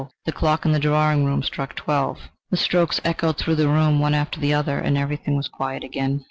The clock in the drawing room struck twelve; the strokes echoed through the room one after the other, and everything was quiet again.